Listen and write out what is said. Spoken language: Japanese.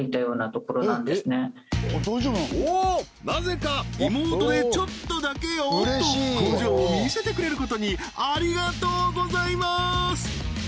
なぜかリモートでちょっとだけよと工場を見せてくれることにありがとうございます！